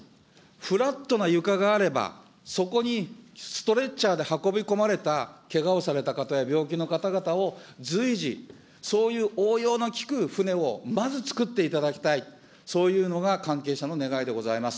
フラットな床があれば、そこにストレッチャーで運び込まれた、けがをされた方や病気の方々を随時、そういう応用の効く船をまず造っていただきたい、そういうのが関係者の願いでございます。